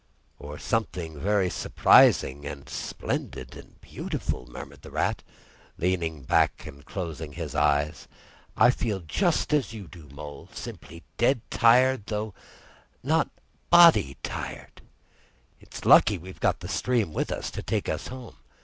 "Or something very surprising and splendid and beautiful," murmured the Rat, leaning back and closing his eyes. "I feel just as you do, Mole; simply dead tired, though not body tired. It's lucky we've got the stream with us, to take us home.